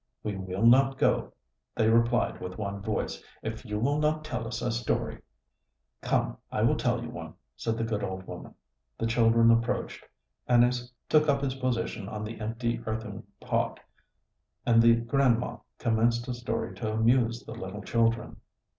"We will not go," they replied with one voice, "if you will not tell us a story." "Come, I will tell you one," said the good old woman. The children approached. Anis took up his position on the empty earthen pot, and the grandma commenced a story to amuse the little children.